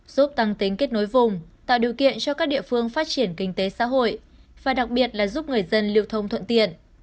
giúp tăng tính kết nối vùng tạo điều kiện cho các địa phương phát triển kinh tế xã hội và đặc biệt là giúp người dân lưu thông thuận tiện